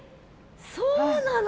そうなの？